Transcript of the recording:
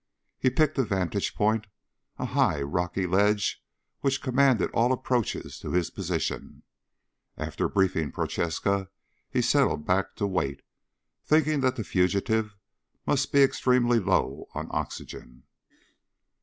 He picked a vantage point, a high rocky ledge which commanded all approaches to his position. After briefing Prochaska, he settled back to wait, thinking that the fugitive must be extremely low on oxygen.